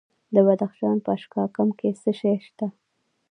د بدخشان په اشکاشم کې څه شی شته؟